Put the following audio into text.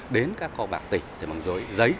đến các kho bạc tỉnh thì bằng dối giấy